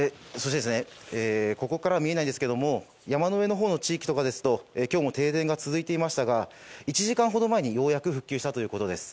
ここからは見えないんですが山の上のほうの地域とかですと今日も停電が続いていましたが１時間ほど前にようやく復旧したということです。